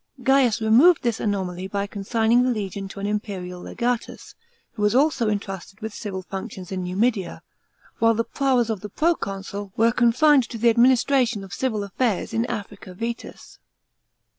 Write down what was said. Gaius removed this anomaly by consigning the legion to an imperial legatus, who was also entrusted with civil functions in Numidia, while the powers of the proconsul were confined to the administration of civil affairs in Africa Vetus.